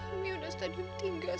umi udah stadium tinggal sekali ya